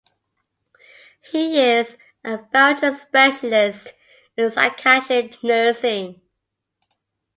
He is a Belgian specialist in psychiatric nursing.